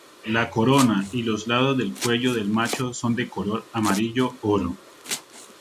La corona y los lados del cuello del macho son de color amarillo oro.